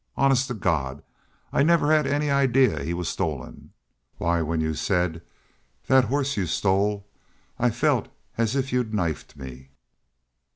Honest to God, I never had any idea he was stolen! ... Why, when y'u said 'that horse y'u stole,' I felt as if y'u'd knifed me...."